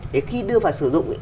để khi đưa vào sử dụng